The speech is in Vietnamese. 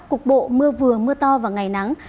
cục bộ mưa vừa mưa to và ngày nắng